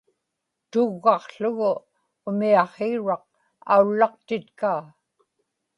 tuggaqługu umiaqhiuraq aullaqtitkaa